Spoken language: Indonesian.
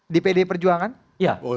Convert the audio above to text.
dpp pdi perjuangan ya